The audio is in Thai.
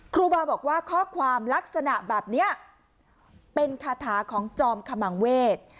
ครูบาบอกว่าข้อความลักษณะแบบนี้เป็นคาถาของจอมขมังเวศ